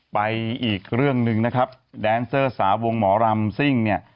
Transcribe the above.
ไปอีกเรื่องหนึ่งนะครับแดนเซอร์สาวงหมอรำซิ่งเนี่ย